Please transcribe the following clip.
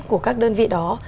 của các đơn vị đó